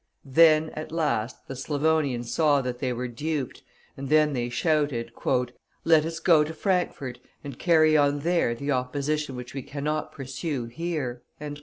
Then at last the Slavonians saw that they were duped, and then they shouted: "Let us go to Frankfort and carry on there the opposition which we cannot pursue here!"